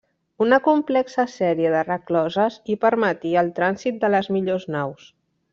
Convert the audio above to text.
Una complexa sèrie de recloses hi permetia el trànsit de les millors naus.